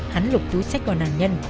hắn lục túi sách của nạn nhân